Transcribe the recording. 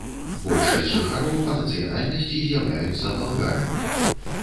Большасць жыхароў па нацыянальнасці з'яўляюцца балгарамі.